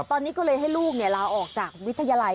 ตอนนี้ก็เลยให้ลูกลาออกจากวิทยาลัย